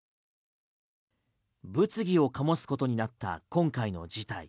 物議を醸すことになった今回の事態。